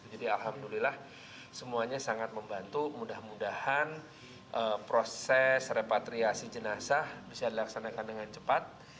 jadi alhamdulillah semuanya sangat membantu mudah mudahan proses repatriasi jenazah bisa dilaksanakan dengan cepat